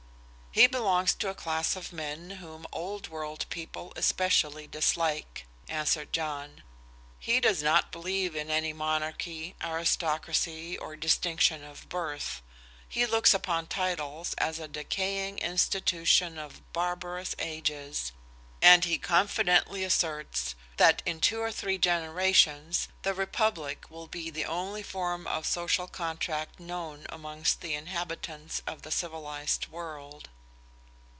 "He belongs to a class of men whom old world people especially dislike," answered John. "He does not believe in any monarchy, aristocracy, or distinction of birth. He looks upon titles as a decaying institution of barbarous ages, and he confidently asserts that in two or three generations the republic will be the only form of social contract known amongst the inhabitants of the civilized world."